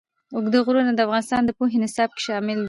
اوږده غرونه د افغانستان د پوهنې نصاب کې شامل دي.